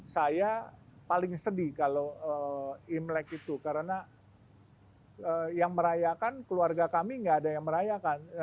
saya paling sedih kalau imlek itu karena yang merayakan keluarga kami tidak ada yang merayakan